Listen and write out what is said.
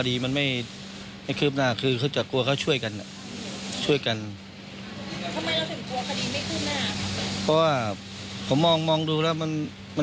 ที่นี่ก็ไม่ออกสื่อ